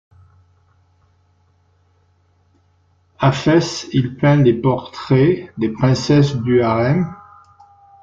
À Fès, il peint les portraits des princesses du Harem.